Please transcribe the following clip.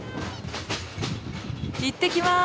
いってきます！